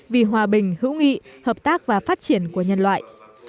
vì hòa bình hữu nghị hợp tác và phát triển của nhân loại